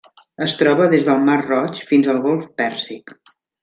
Es troba des del Mar Roig fins al Golf Pèrsic.